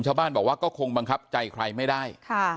ชาวบ้านบอกว่าก็คงบังคับใจใครไม่ได้